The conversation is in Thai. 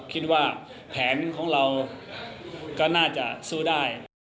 คิดว่าแผนของเราก็น่าจะสู้ได้